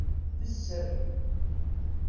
D sser.